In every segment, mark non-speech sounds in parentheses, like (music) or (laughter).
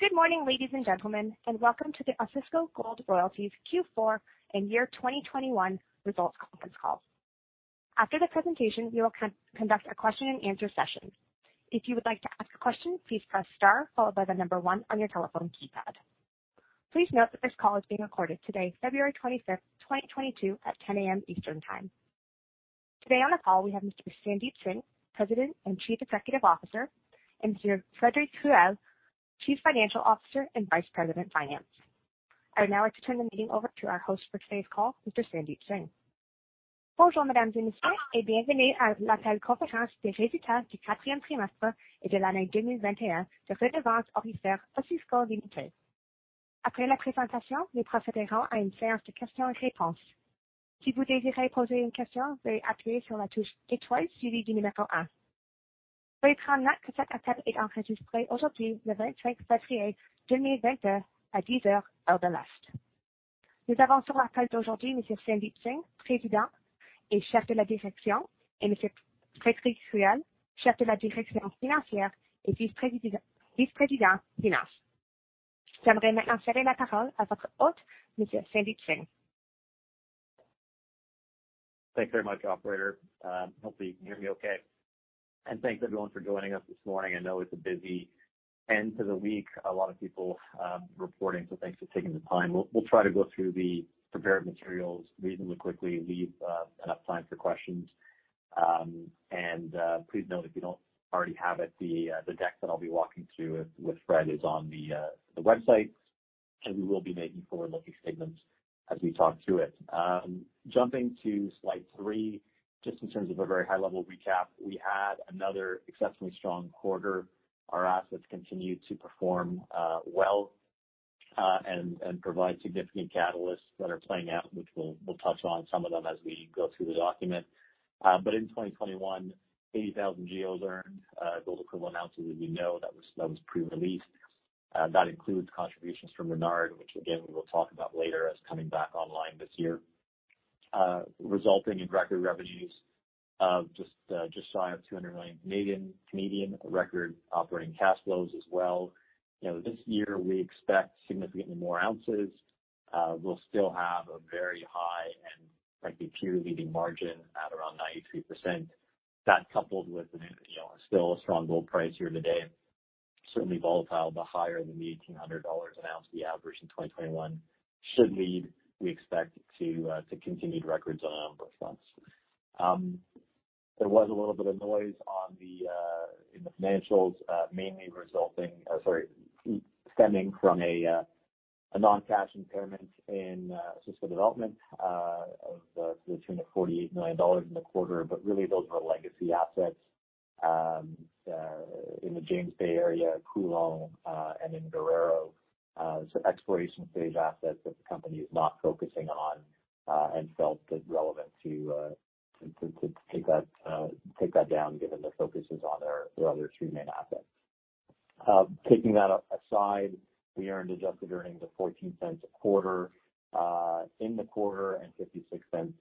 Good morning, ladies and gentlemen, and welcome to the Osisko Gold Royalties Q4 and year 2021 results conference call. After the presentation, we will conduct a question-and-answer session. If you would like to ask a question, please press star followed by the one on your telephone keypad. Please note that this call is being recorded today, February 25, 2022 at 10 A.M. Eastern Time. Today on the call we have Mr. Sandeep Singh, President and Chief Executive Officer, and Mr. Frédéric Ruel, Chief Financial Officer and Vice President, Finance. I would now like to turn the meeting over to our host for today's call, Mr. Sandeep Singh. Thanks very much, operator. Hopefully you can hear me okay. Thanks everyone for joining us this morning. I know it's a busy end to the week, a lot of people reporting, so thanks for taking the time. We'll try to go through the prepared materials reasonably quickly, leave enough time for questions. Please note if you don't already have it, the deck that I'll be walking through with Fred is on the website, and we will be making forward-looking statements as we talk through it. Jumping to slide three, just in terms of a very high-level recap, we had another exceptionally strong quarter. Our assets continued to perform well, and provide significant catalysts that are playing out, which we'll touch on some of them as we go through the document. In 2021, 80,000 GEOs earned, gold equivalent ounces, as you know, that was pre-released. That includes contributions from Renard, which again, we will talk about later as coming back online this year, resulting in record revenues of just shy of 200 million, record operating cash flows as well. You know, this year we expect significantly more ounces. We'll still have a very high and frankly peer-leading margin at around 93%. That coupled with, you know, still a strong gold price here today, certainly volatile, but higher than the 1,800 dollars an ounce we averaged in 2021 should lead, we expect, to continued records on an annual basis. There was a little bit of noise in the financials, mainly resulting... Sorry, stemming from a non-cash impairment in Osisko Development to the tune of 48 million dollars in the quarter. Really, those were legacy assets in the James Bay area, Coulonge, and in Guerrero. Exploration-stage assets that the company is not focusing on and felt it relevant to take that down given their focus is on their other two main assets. Taking that aside, we earned adjusted earnings of 0.14 a quarter in the quarter and $0.56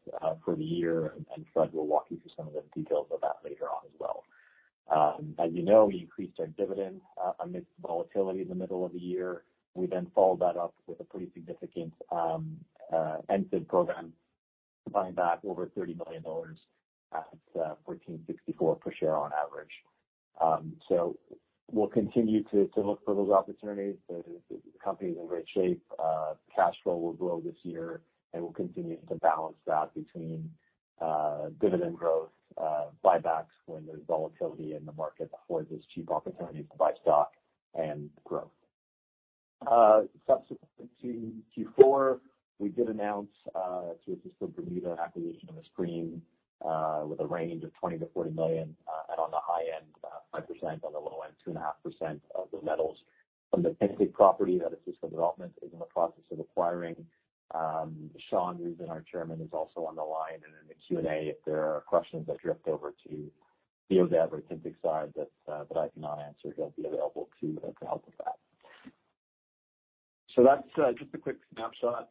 for the year, and Fred will walk you through some of the details of that later on as well. As you know, we increased our dividend amidst the volatility in the middle of the year. We followed that up with a pretty significant NCIB program, buying back over 30 million dollars at 14.64 per share on average. We'll continue to look for those opportunities. The company's in great shape. Cash flow will grow this year, and we'll continue to balance that between dividend growth, buybacks when there's volatility in the market that affords us cheap opportunities to buy stock and growth. Subsequent to Q4, we did announce through Osisko Bermuda Limited an acquisition of a stream with a range of 20 million-40 million, and on the high end 5%, on the low end 2.5% of the metals from the Tintic property that Osisko Development is in the process of acquiring. Sean, who's been our chairman, is also on the line and in the Q&A if there are questions that drift over to the other Tintic side that I cannot answer, he'll be available to help with that. So that's just a quick snapshot.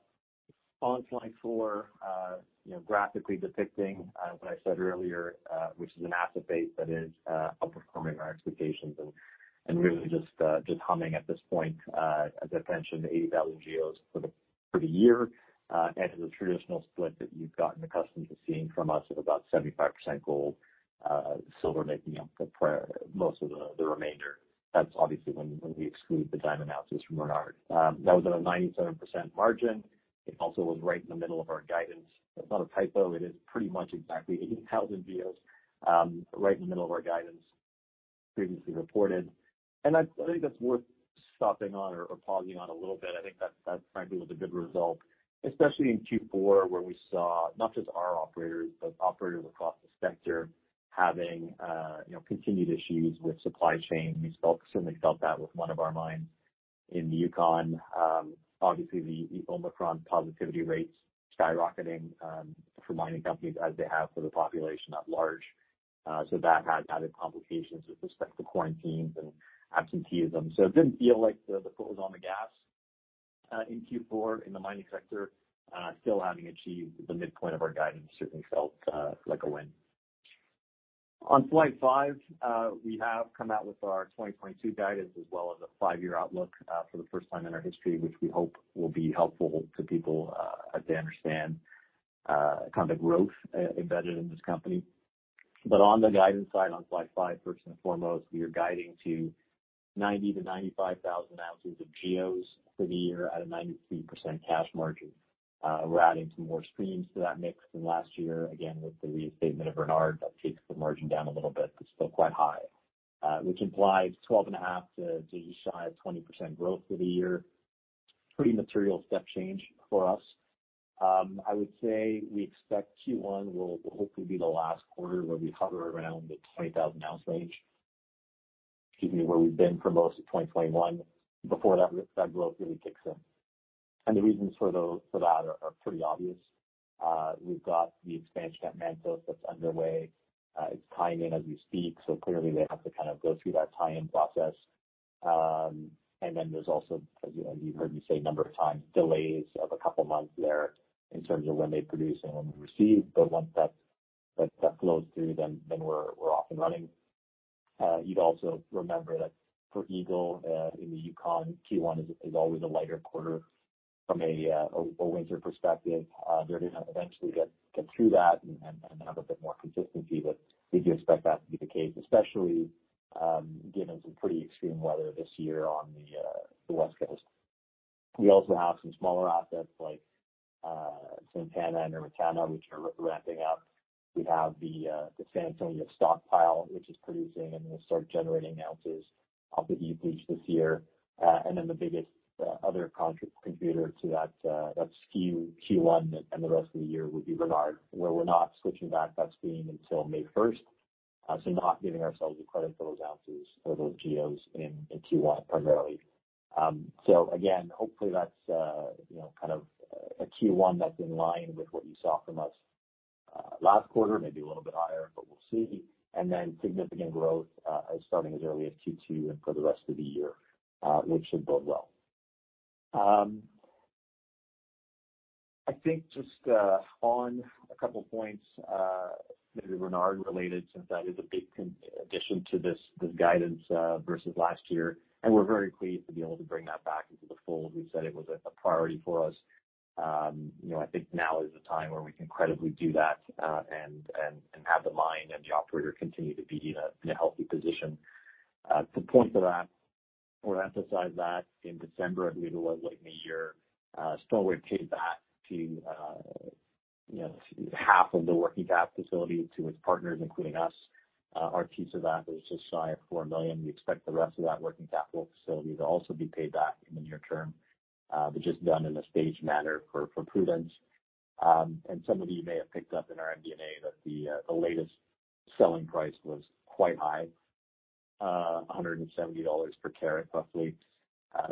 On slide four, you know, graphically depicting what I said earlier, which is an asset base that is outperforming our expectations and really just humming at this point. As I mentioned, the 80,000 GEOs for the year, and to the traditional split that you've gotten accustomed to seeing from us of about 75% gold, silver making up most of the remainder. That's obviously when we exclude the diamond ounces from Renard. That was at a 97% margin. It also was right in the middle of our guidance. That's not a typo. It is pretty much exactly 80,000 GEOs right in the middle of our guidance previously reported. I think that's worth stopping on or pausing on a little bit. I think that frankly was a good result, especially in Q4, where we saw not just our operators, but operators across the sector having continued issues with supply chain. We certainly felt that with one of our mines in Yukon. Obviously, the Omicron positivity rates skyrocketing for mining companies as they have for the population at large. So that has added complications with respect to quarantines and absenteeism. It didn't feel like the foot was on the gas. In Q4, in the mining sector, still having achieved the midpoint of our guidance certainly felt like a win. On slide five, we have come out with our 2022 guidance as well as a five-year outlook for the first time in our history, which we hope will be helpful to people as they understand the kind of growth embedded in this company. On the guidance side, on slide five, first and foremost, we are guiding to 90,000-95,000 ounces of GEOs for the year at a 93% cash margin. We're adding some more streams to that mix than last year, again, with the reinstatement of Renard. That takes the margin down a little bit, but still quite high, which implies 12.5% to each side, 20% growth for the year. Pretty material step change for us. I would say we expect Q1 will hopefully be the last quarter where we hover around the 20,000 ounce range, excuse me, where we've been for most of 2021 before that growth really kicks in. The reasons for that are pretty obvious. We've got the expansion at Mantos that's underway. It's tying in as we speak, so clearly they have to kind of go through that tie-in process. Then there's also, as you heard me say a number of times, delays of a couple months there in terms of when they produce and when we receive. Once that flows through, then we're off and running. You'd also remember that for Eagle in the Yukon, Q1 is always a lighter quarter from a winter perspective. They're gonna eventually get through that and have a bit more consistency. We do expect that to be the case, especially given some pretty extreme weather this year on the West Coast. We also have some smaller assets like San Antonio and Ermitaño, which are ramping up. We have the San Antonio stockpile, which is producing and will start generating ounces up at (inaudible) this year. The biggest other contributor to that skew in Q1 and the rest of the year would be Renard, where we're not switching back that stream until May 1. Not giving ourselves the credit for those ounces or those GEOs in Q1 primarily. Again, hopefully that's you know kind of a Q1 that's in line with what you saw from us last quarter, maybe a little bit higher, but we'll see. Significant growth starting as early as Q2 and for the rest of the year, which should bode well. I think just on a couple points maybe Renard related since that is a big addition to this guidance versus last year, and we're very pleased to be able to bring that back into the fold. We've said it was a priority for us. You know, I think now is the time where we can credibly do that, and have the mine and the operator continue to be in a healthy position. To point to that or emphasize that, in December, I believe it was late in the year, Stornoway paid back, you know, half of the working capital facility to its partners, including us. Our piece of that was just shy of 4 million. We expect the rest of that working capital facility to also be paid back in the near term, but just done in a staged manner for prudence. Some of you may have picked up in our MD&A that the latest selling price was quite high, $170 per carat roughly.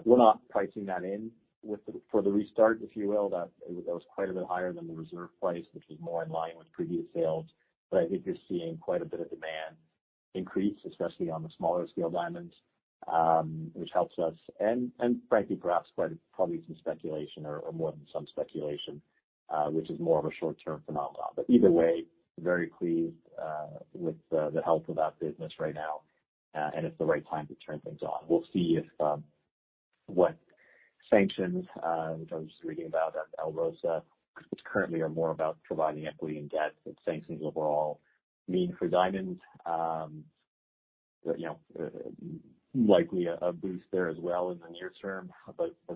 We're not pricing that in with the for the restart, if you will. That was quite a bit higher than the reserve price, which was more in line with previous sales. I think you're seeing quite a bit of demand increase, especially on the smaller scale diamonds, which helps us and frankly, perhaps quite probably some speculation or more than some speculation, which is more of a short-term phenomenon. Either way, very pleased with the health of that business right now. It's the right time to turn things on. We'll see if what sanctions, which I was just reading about at Alrosa, which currently are more about providing equity and debt, what sanctions overall mean for diamonds. You know, likely a boost there as well in the near term.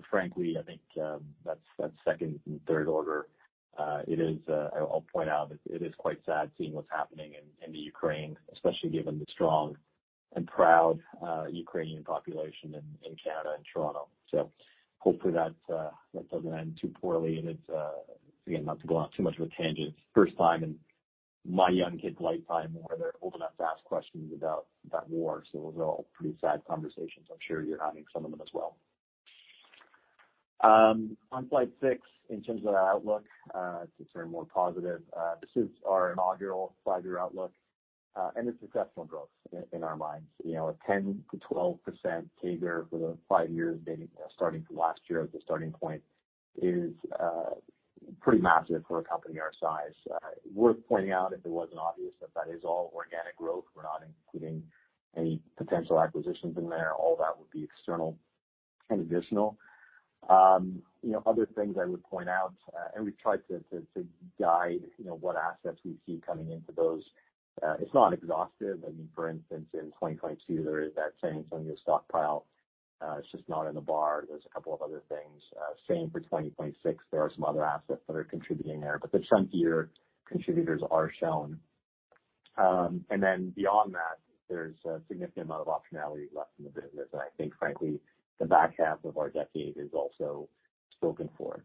Frankly, I think that's second and third order. It is, I'll point out, quite sad seeing what's happening in the Ukraine, especially given the strong and proud Ukrainian population in Canada and Toronto. Hopefully that doesn't end too poorly. It's again not to go on too much of a tangent, first time in my young kids' lifetime where they're old enough to ask questions about war. Those are all pretty sad conversations. I'm sure you're having some of them as well. On slide six in terms of our outlook to turn more positive, this is our inaugural five-year outlook, and it's exceptional growth in our minds. You know, a 10%-12% CAGR for the five years dating starting from last year as the starting point is pretty massive for a company our size. Worth pointing out, if it wasn't obvious, that that is all organic growth. We're not including any potential acquisitions in there. All that would be external and additional. You know, other things I would point out, and we've tried to guide, you know, what assets we see coming into those. It's not exhaustive. I mean, for instance, in 2022, there is that San Antonio stockpile. It's just not in the bar. There's a couple of other things. Same for 2026. There are some other assets that are contributing there, but the chunkier contributors are shown. Then beyond that, there's a significant amount of optionality left in the business. I think frankly, the back half of our decade is also spoken for.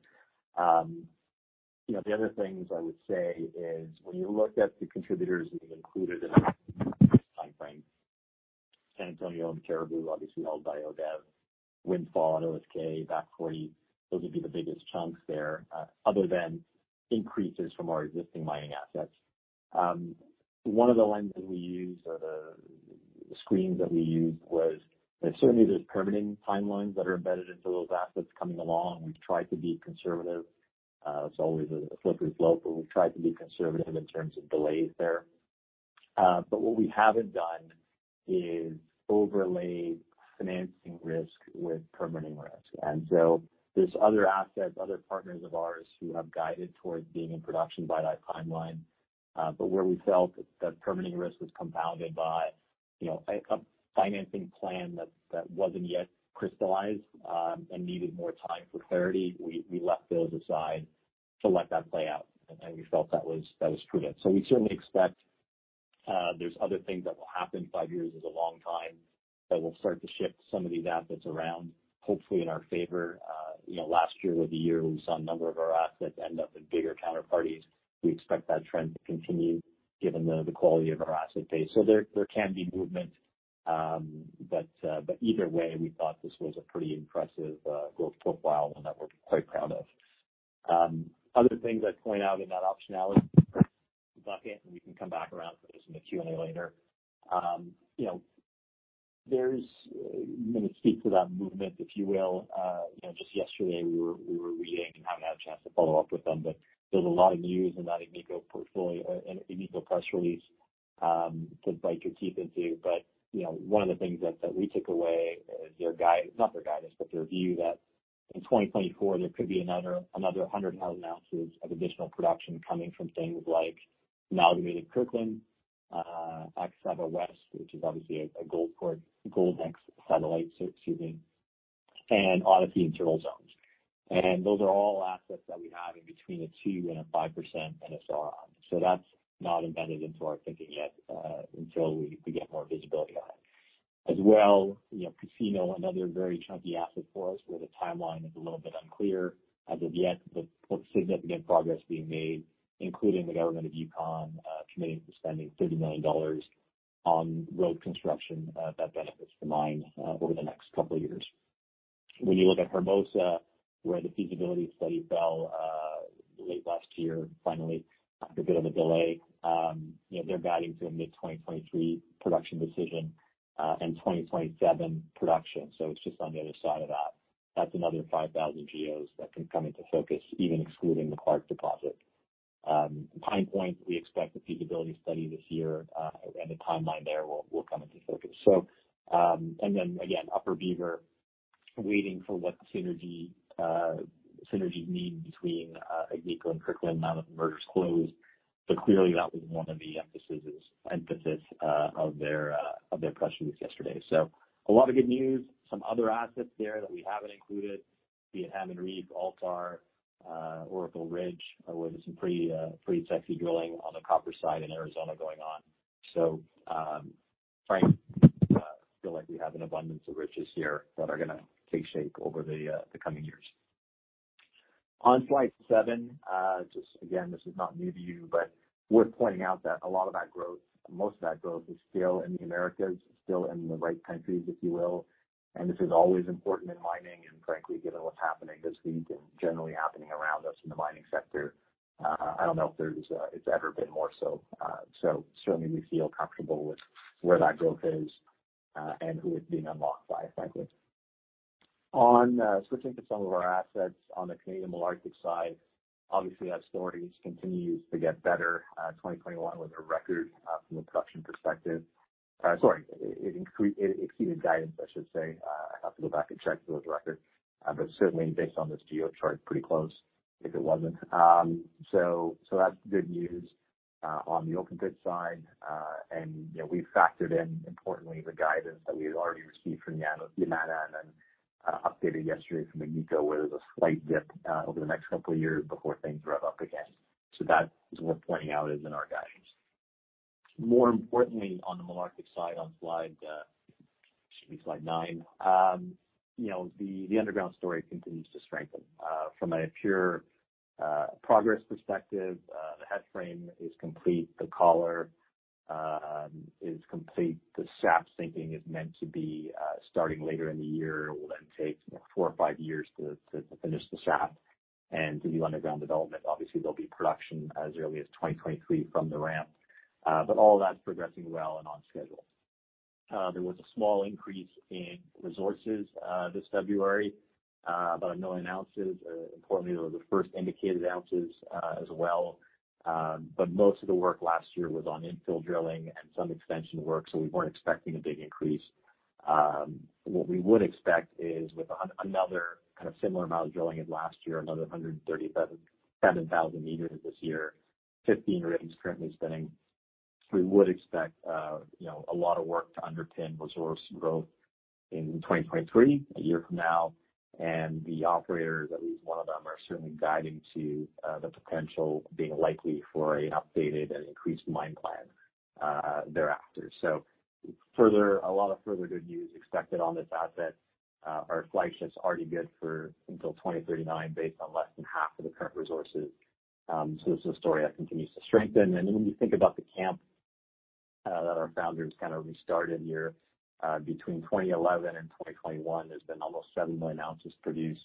You know, the other things I would say is when you look at the contributors we've included in this timeframe, San Antonio and Cariboo obviously held by ODV, Windfall and OSK, Back Forty, those would be the biggest chunks there, other than increases from our existing mining assets. One of the lenses we use or the screens that we used was that certainly there's permitting timelines that are embedded into those assets coming along. We've tried to be conservative. It's always a slippery slope, but we've tried to be conservative in terms of delays there. But what we haven't done is overlay financing risk with permitting risk. There's other assets, other partners of ours who have guided towards being in production by that timeline. Where we felt that permitting risk was compounded by, you know, a financing plan that wasn't yet crystallized and needed more time for clarity, we left those aside to let that play out, and we felt that was prudent. We certainly expect there's other things that will happen. Five years is a long time that will start to shift some of these assets around, hopefully in our favor. You know, last year was a year we saw a number of our assets end up in bigger counterparties. We expect that trend to continue given the quality of our asset base. There can be movement, but either way, we thought this was a pretty impressive growth profile and that we're quite proud of. Other things I'd point out in that optionality bucket, and we can come back around to those in the Q&A later. You know, I'm gonna speak to that movement, if you will. You know, just yesterday we were reading and haven't had a chance to follow up with them. There's a lot of news in that Agnico Eagle portfolio, in Agnico Eagle press release to sink your teeth into. You know, one of the things that we took away is not their guidance, but their view that in 2024, there could be another 100,000 ounces of additional production coming from things like Amalgamated Kirkland, Akasaba West, which is obviously a Goldex satellite, excuse me, and Odyssey Internal Zones. Those are all assets that we have in between a 2%-5% NSR on. That's not embedded into our thinking yet, until we get more visibility on it. Casino, another very chunky asset for us where the timeline is a little bit unclear as of yet, but significant progress being made, including the government of Yukon committing to spending 30 million dollars on road construction that benefits the mine over the next couple of years. When you look at Hermosa, where the feasibility study fell late last year, finally after a bit of a delay, they're guiding to a mid-2023 production decision and 2027 production. It's just on the other side of that. That's another 5,000 GEOs that can come into focus, even excluding the Clark deposit. Pine Point, we expect the feasibility study this year, and the timeline there will come into focus. Upper Beaver, waiting for what the synergies mean between Agnico and Kirkland now that the merger's closed. Clearly that was one of the emphasis of their press release yesterday. A lot of good news. Some other assets there that we haven't included, be it Hammond Reef, Altar, Oracle Ridge, where there's some pretty sexy drilling on the copper side in Arizona going on. Frank, I feel like we have an abundance of riches here that are gonna take shape over the coming years. On slide seven, just again, this is not new to you, but worth pointing out that a lot of that growth, most of that growth is still in the Americas, still in the right countries, if you will. This is always important in mining. Frankly, given what's happening this week and generally happening around us in the mining sector, I don't know if there's ever been more so. Certainly we feel comfortable with where that growth is, and who it's being unlocked by, frankly. On switching to some of our assets on the Canadian Malartic side, obviously that story continues to get better. 2021 was a record from a production perspective. Sorry, it exceeded guidance, I should say. I have to go back and check if it was a record. Certainly based on this GEOs chart, pretty close if it wasn't. So that's good news on the open pit side. You know, we've factored in importantly the guidance that we had already received from Yamana and updated yesterday from Agnico, where there's a slight dip over the next couple of years before things rev up again. That is worth pointing out as in our guidance. More importantly, on the Malartic side, on slide nine, you know, the underground story continues to strengthen. From a pure progress perspective, the headframe is complete, the collar is complete. The shaft sinking is meant to be starting later in the year. It will then take four or five years to finish the shaft and to do underground development. Obviously, there'll be production as early as 2023 from the ramp. All that's progressing well and on schedule. There was a small increase in resources this February, about 1 million ounces. Importantly, they were the first indicated ounces as well. Most of the work last year was on infill drilling and some extension work, so we weren't expecting a big increase. What we would expect is with another kind of similar amount of drilling as last year, another 137,000 meters this year, 15 rigs currently spinning. We would expect, you know, a lot of work to underpin resource growth in 2023, a year from now, and the operators, at least one of them, are certainly guiding to the potential being likely for an updated and increased mine plan thereafter. A lot of good news expected on this asset. Our flagship's already good for until 2039 based on less than half of the current resources. This is a story that continues to strengthen. Then when you think about the camp that our founders kind of restarted here between 2011 and 2021, there's been almost 7 million ounces produced.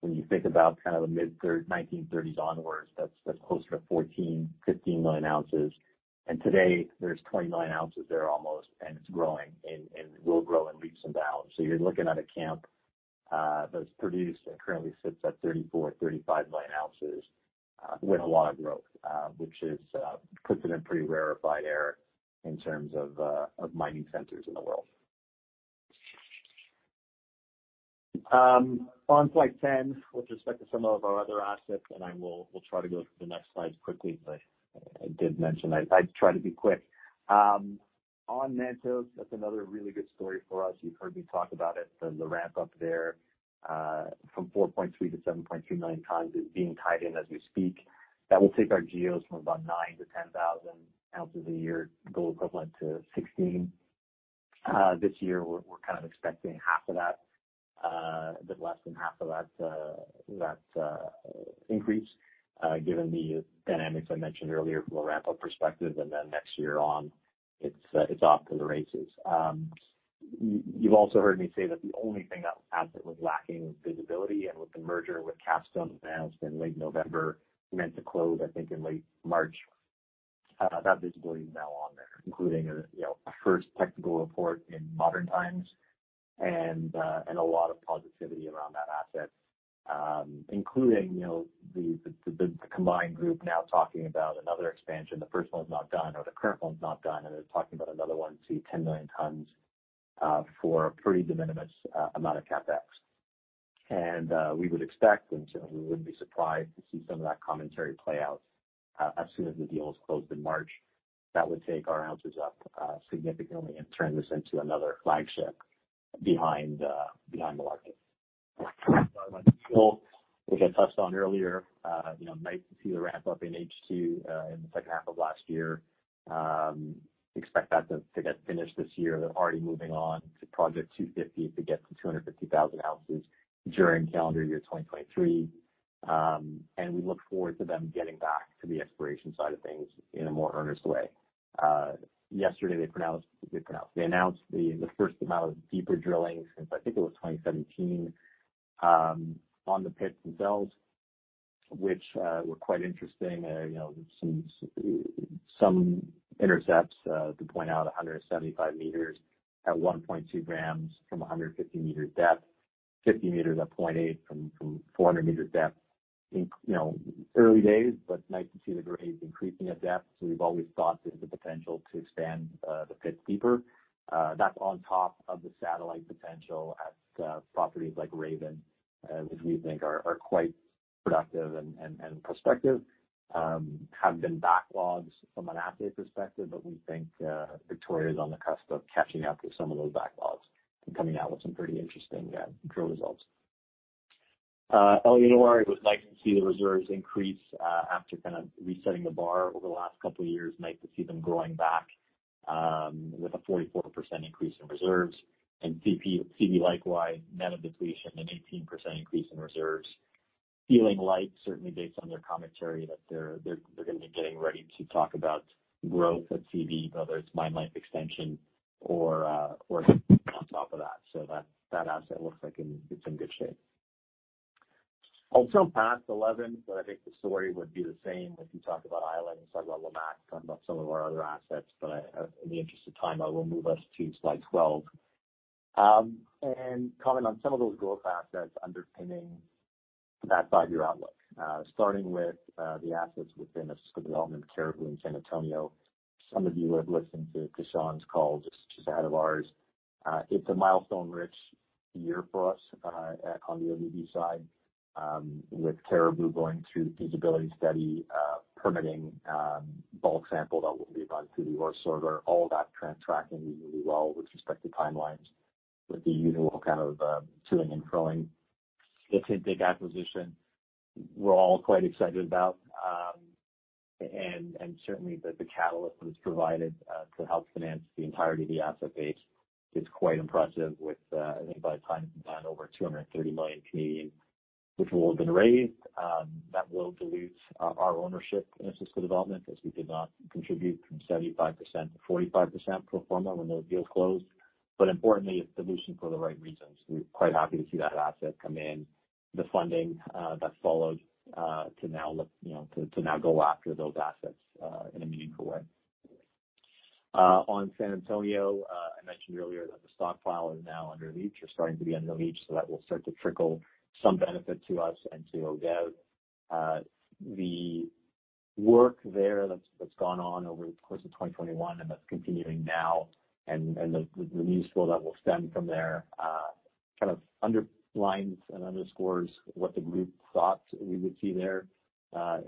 When you think about kind of the 1930s onwards, that's closer to 14-15 million ounces. Today there's 20 million ounces there almost, and it's growing and will grow in leaps and bounds. You're looking at a camp that's produced and currently sits at 34-35 million ounces with a lot of growth, which puts it in pretty rarefied air in terms of mining centers in the world. On slide 10, with respect to some of our other assets, we'll try to go through the next slides quickly, but I did mention I'd try to be quick. On Mantos, that's another really good story for us. You've heard me talk about it. The ramp up there from 4.3-7.3 million tons is being tied in as we speak. That will take our GEOs from about 9,000-10,000 ounces a year gold equivalent to 16,000. This year we're kind of expecting half of that, a bit less than half of that increase, given the dynamics I mentioned earlier from a ramp up perspective, and then next year, it's off to the races. You've also heard me say that the only thing that asset was lacking was visibility. With the merger with Capstone announced in late November, meant to close I think in late March, that visibility is now on there, including you know a first technical report in modern times and a lot of positivity around that asset, including you know the combined group now talking about another expansion. The first one's not done or the current one's not done, and they're talking about another one to 10 million tons for a pretty de minimis amount of CapEx. We would expect and certainly wouldn't be surprised to see some of that commentary play out as soon as the deal is closed in March. That would take our ounces up significantly and turn this into another flagship behind Malartic, which I touched on earlier, you know, nice to see the ramp up in H2, in the second half of last year. Expect that to get finished this year. They're already moving on to Project 250 to get to 250,000 ounces during calendar year 2023. We look forward to them getting back to the exploration side of things in a more earnest way. Yesterday they announced the first round of deeper drilling since I think it was 2017, on the pits themselves, which were quite interesting. You know, some intercepts to point out 175 m at 1.2 g from 150 m depth, 50 m at 0.8 from 400 m depth. You know, early days, but nice to see the grades increasing at depth. We've always thought there's the potential to expand the pit deeper. That's on top of the satellite potential at properties like Raven, which we think are quite productive and prospective. There have been backlogs from an assay perspective, but we think Victoria is on the cusp of catching up with some of those backlogs and coming out with some pretty interesting drill results. El Indio, I would like to see the reserves increase after kind of resetting the bar over the last couple of years. Nice to see them growing back with a 44% increase in reserves. CV likewise, net of depletion, an 18% increase in reserves. Feeling light, certainly based on their commentary, that they're gonna be getting ready to talk about growth at CV, whether it's mine life extension or on top of that. That asset looks like it's in good shape. Past 11, but I think the story would be the same if you talk about Island, you talk about Lamaque, talk about some of our other assets, in the interest of time, I will move us to slide 12. Comment on some of those growth assets underpinning that five-year outlook, starting with the assets within Osisko Development, Cariboo and San Antonio. Some of you have listened to Sean's calls just ahead of ours. It's a milestone-rich year for us, on the ODV side, with Cariboo going through feasibility study, permitting, bulk sample that will be done through the ore sorter. All that tracking really well with respect to timelines, with the usual kind of to-ing and fro-ing. It's a big acquisition we're all quite excited about. Certainly the catalyst that it's provided to help finance the entirety of the asset base is quite impressive with, I think by the time it's done, over 230 million, which will have been raised. That will dilute our ownership in Osisko Development as we did not contribute from 75%-45% pro forma when those deals closed. Importantly, it's dilution for the right reasons. We're quite happy to see that asset come in, the funding that followed, to now go after those assets, you know, in a meaningful way. On San Antonio, I mentioned earlier that the stockpile is now under leach or starting to be under leach, so that will start to trickle some benefit to us and to ODV. The work there that's gone on over the course of 2021 and that's continuing now and the news flow that will stem from there kind of underlines and underscores what the group thought we would see there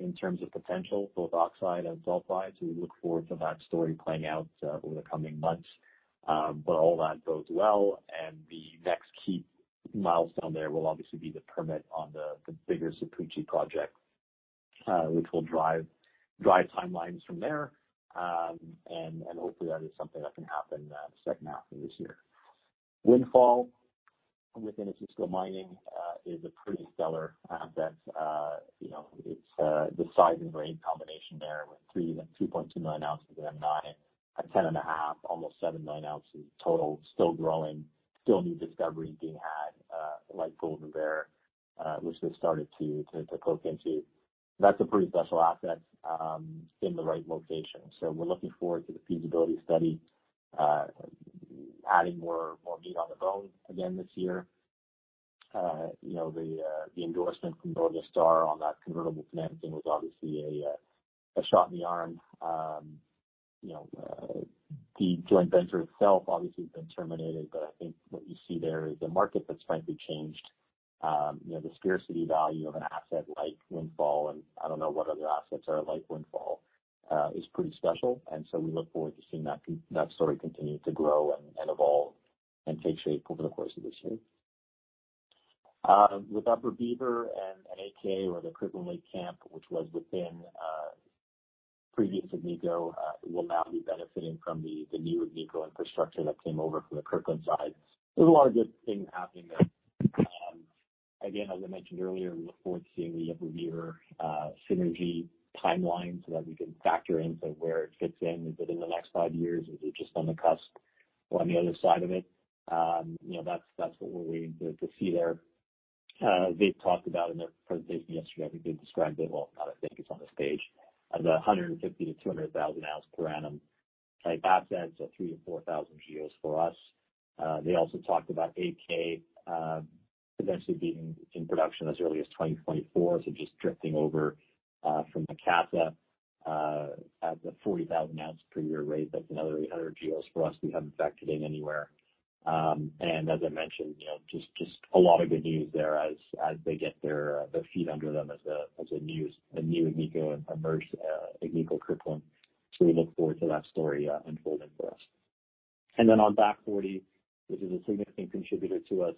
in terms of potential, both oxide and sulfide. We look forward to that story playing out over the coming months. All that bodes well. The next key milestone there will obviously be the permit on the bigger Cariboo project, which will drive timelines from there. Hopefully, that is something that can happen second half of this year. Windfall within Osisko Mining is a pretty stellar asset. You know, it's the size and grade combination there with 3.29 ounces of M9 at 10.5, almost 79 ounces total. Still growing, still new discovery being had. Like Golden Bear, which they've started to poke into. That's a pretty special asset in the right location. We're looking forward to the feasibility study adding more meat on the bone again this year. You know, the endorsement from Northern Star on that convertible financing was obviously a shot in the arm. You know, the joint venture itself obviously has been terminated, but I think what you see there is a market that's frankly changed. You know, the scarcity value of an asset like Windfall, and I don't know what other assets are like Windfall, is pretty special. We look forward to seeing that story continue to grow and evolve and take shape over the course of this year. With Upper Beaver and AK or the Kirkland Lake camp, which was within previous Agnico, will now be benefiting from the new Agnico infrastructure that came over from the Kirkland side. There's a lot of good things happening there. Again, as I mentioned earlier, we look forward to seeing the Upper Beaver synergy timeline so that we can factor into where it fits in. Is it in the next five years? Is it just on the cusp or on the other side of it? You know, that's what we're waiting to see there. They've talked about in their presentation yesterday, I think they described it, well, I think it's on this page, as a 150-200 thousand ounce per annum type asset, so three four thousand GEOs for us. They also talked about AK eventually being in production as early as 2024, so just drifting over from Macassa at the 40,000 ounce per year rate. That's another 800 GEOs for us we haven't factored in anywhere. As I mentioned, you know, just a lot of good news there as they get their feet under them as a new Agnico and emerged Agnico Kirkland. We look forward to that story unfolding for us. On Back Forty, which is a significant contributor to us,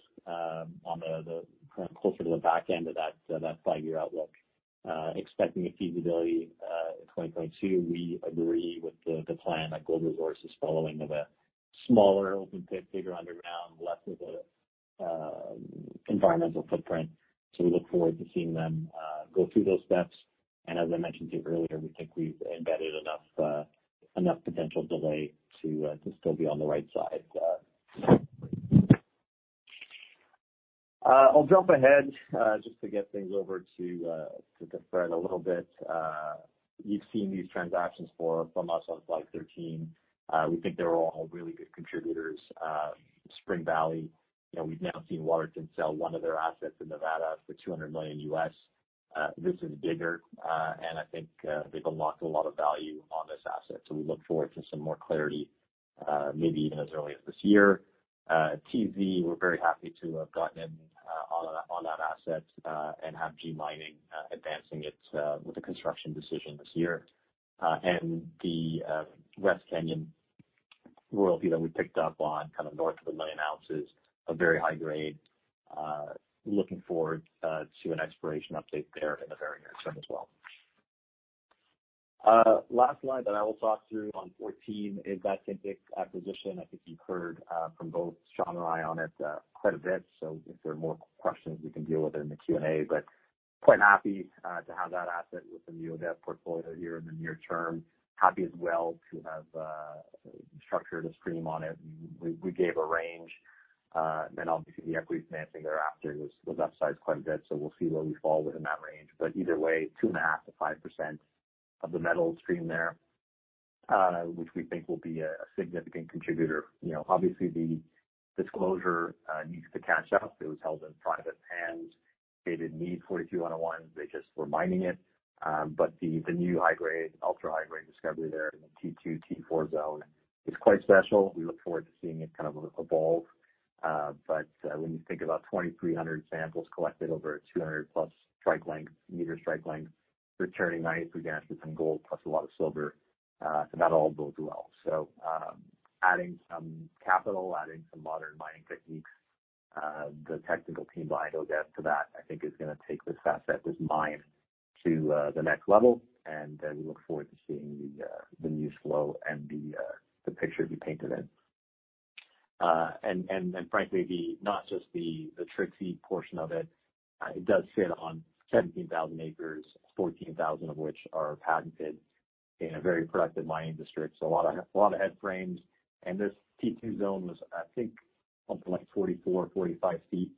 on the current closer to the back end of that five-year outlook, expecting a feasibility in 2022. We agree with the plan that Gold Resource is following of a smaller open pit, bigger underground, less of an environmental footprint. We look forward to seeing them go through those steps. As I mentioned to you earlier, we think we've embedded enough potential delay to still be on the right side. I'll jump ahead, just to get things over to Fred a little bit. You've seen these transactions from us on slide 13. We think they're all really good contributors. Spring Valley, you know, we've now seen Waterton sell one of their assets in Nevada for $200 million. This is bigger, and I think, they've unlocked a lot of value on this asset. We look forward to some more clarity, maybe even as early as this year. TZ, we're very happy to have gotten in on that asset, and have G Mining advancing its with a construction decision this year. The West Kenya royalty that we picked up on kind of north of 1 million ounces of very high grade, looking forward to an exploration update there in the very near term as well. Last slide that I will talk through on 14 is that Tintic acquisition. I think you've heard from both Sean and I on it quite a bit, so if there are more questions, we can deal with it in the Q&A. Quite happy to have that asset within the Osisko Development portfolio here in the near term. Happy as well to have structured a stream on it. We gave a range and then obviously the equity financing thereafter was upsized quite a bit, so we'll see where we fall within that range. Either way, 2.5%-5% of the metal stream there, which we think will be a significant contributor. You know, obviously the disclosure needs to catch up. It was held in private and they didn't need 43-101. They just were mining it. The new high-grade, ultra-high grade discovery there in the T2, T4 zone is quite special. We look forward to seeing it kind of evolve. When you think about 2,300 samples collected over a 200+ meter strike length, returning nice assays on gold plus a lot of silver, so that all bodes well. Adding some capital, adding some modern mining techniques, the technical team behind ODV to that, I think is gonna take this asset, this mine, to the next level. We look forward to seeing the news flow and the picture be painted in. Frankly, not just the Trixie portion of it does sit on 17,000 acres, 14,000 of which are patented in a very productive mining district. A lot of head frames. This T2 zone was, I think, something like 44, 45 feet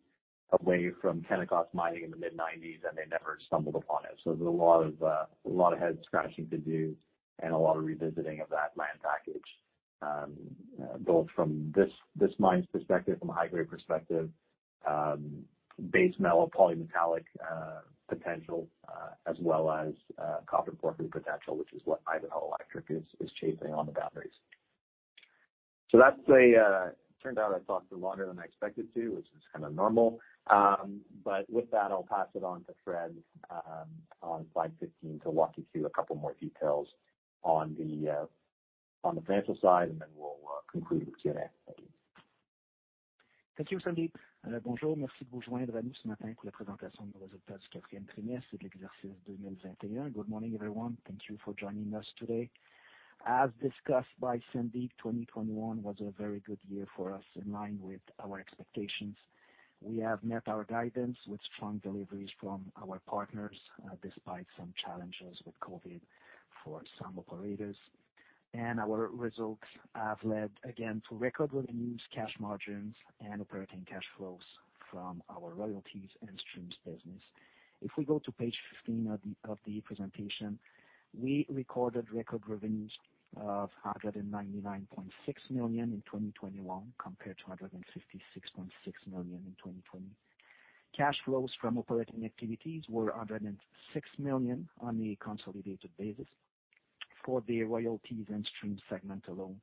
away from Kennecott Mining in the mid-1990s, and they never stumbled upon it. There's a lot of head scratching to do and a lot of revisiting of that land package, both from this mine's perspective, from a high-grade perspective, base metal polymetallic potential, as well as copper porphyry potential, which is what Ivanhoe Electric is chasing on the boundaries. That's turned out I talked longer than I expected to, which is kind of normal. With that, I'll pass it on to Frédéric, on slide 15 to walk you through a couple more details on the financial side, and then we'll conclude with Q&A. Thank you. Thank you, Sandeep. Good morning, everyone. Thank you for joining us today. As discussed by Sandeep, 2021 was a very good year for us, in line with our expectations. We have met our guidance with strong deliveries from our partners, despite some challenges with COVID for some operators. Our results have led again to record revenues, cash margins, and operating cash flows from our royalties and streams business. If we go to page 15 of the presentation, we recorded record revenues of 199.6 million in 2021 compared to 156.6 million in 2020. Cash flows from operating activities were 106 million on a consolidated basis. For the royalties and streams segment alone,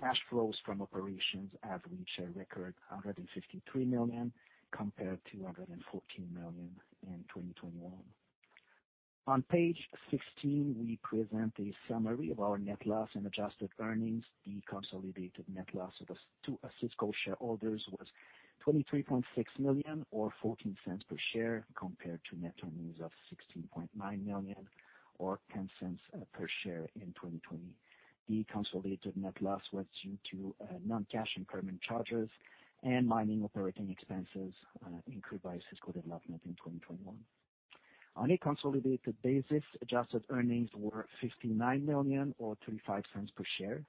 cash flows from operations have reached a record 153 million compared to 114 million in 2020. On page 16, we present a summary of our net loss and adjusted earnings. The consolidated net loss of Osisko shareholders was 23.6 million or 0.14 per share, compared to net earnings of 16.9 million or 0.10 per share in 2020. The consolidated net loss was due to non-cash impairment charges and mining operating expenses incurred by Osisko Development in 2021. On a consolidated basis, adjusted earnings were $59 million or $0.35 per share,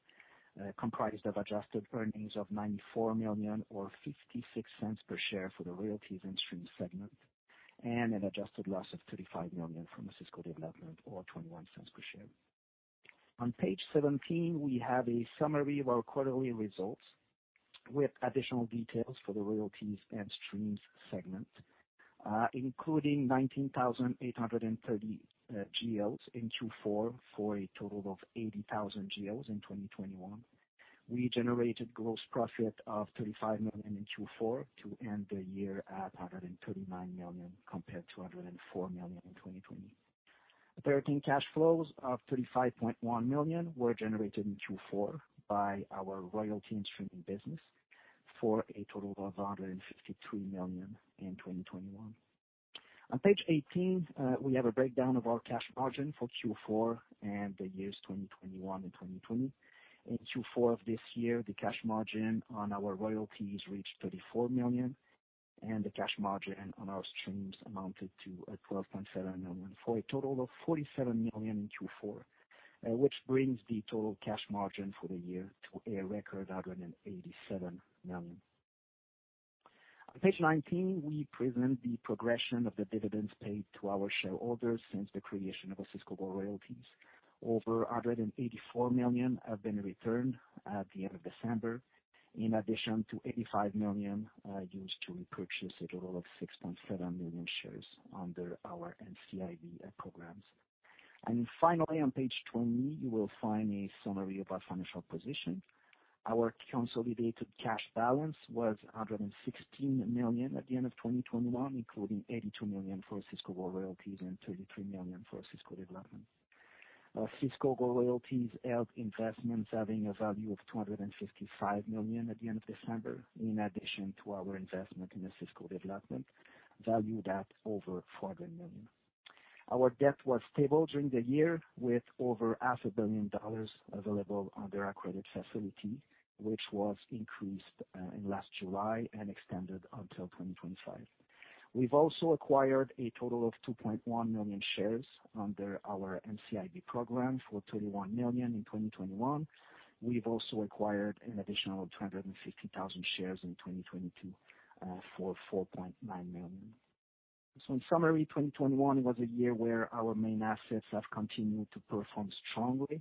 comprised of adjusted earnings of $94 million or $0.56 per share for the royalties and streams segment, and an adjusted loss of $35 million from Osisko Development or $0.21 per share. On page 17, we have a summary of our quarterly results with additional details for the royalties and streams segment, including 19,830 GEOs in Q4 for a total of 80,000 GEOs in 2021. We generated gross profit of $35 million in Q4 to end the year at $139 million compared to $104 million in 2020. Operating cash flows of 35.1 million were generated in Q4 by our royalty and streaming business for a total of 153 million in 2021. On page 18, we have a breakdown of our cash margin for Q4 and the years 2021 and 2020. In Q4 of this year, the cash margin on our royalties reached 34 million, and the cash margin on our streams amounted to 12.7 million, for a total of 47 million in Q4, which brings the total cash margin for the year to a record 187 million. On page 19, we present the progression of the dividends paid to our shareholders since the creation of Osisko Gold Royalties. Over 184 million have been returned at the end of December, in addition to 85 million used to repurchase a total of 6.7 million shares under our NCIB programs. Finally, on page 20, you will find a summary of our financial position. Our consolidated cash balance was 116 million at the end of 2021, including 82 million for Osisko Royalties and 33 million for Osisko Development. Osisko Royalties held investments having a value of 255 million at the end of December, in addition to our investment in Osisko Development, valued at over 400 million. Our debt was stable during the year with over half a billion dollars available under our credit facility, which was increased in last July and extended until 2025. We have also acquired a total of 2.1 million shares under our NCIB program for 21 million in 2021. We have also acquired an additional 250,000 shares in 2022 for 4.9 million. In summary, 2021 was a year where our main assets have continued to perform strongly,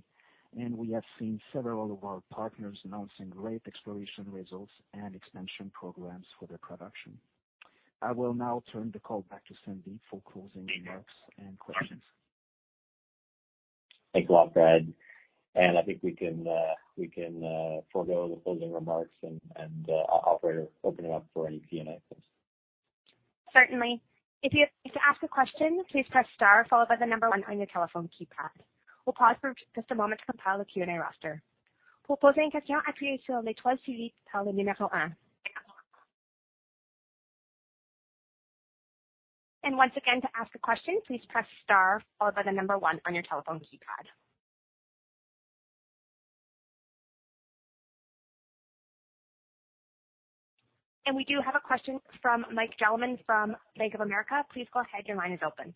and we have seen several of our partners announcing great exploration results and expansion programs for their production. I will now turn the call back to Sandeep for closing remarks and questions. Thanks a lot, Fred. I think we can forego the closing remarks and operator open it up for any Q&A, please. Certainly. If you'd like to ask a question, please press star followed by the number one on your telephone keypad. We'll pause for just a moment to compile the Q&A roster. Once again, to ask a question, please press star followed by the number one on your telephone keypad. We do have a question from Mike Jalonen from Bank of America. Please go ahead. Your line is open.